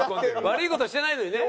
悪い事してないのにね。